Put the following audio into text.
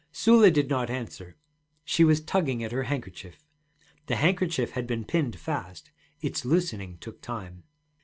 Sula did not answer; she was tugging at her handkerchief. The handkerchief had been pinned fast, its loosening took time.